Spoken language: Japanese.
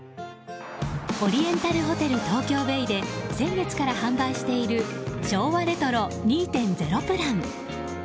オリエンタルホテル東京ベイで先月から販売している昭和レトロ２．０プラン。